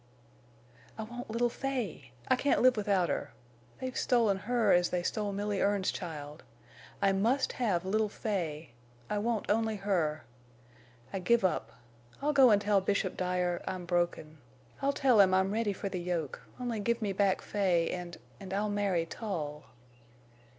"I want little Fay. I can't live without her. They've stolen her as they stole Milly Erne's child. I must have little Fay. I want only her. I give up. I'll go and tell Bishop Dyer—I'm broken. I'll tell him I'm ready for the yoke—only give me back Fay—and—and I'll marry Tull!"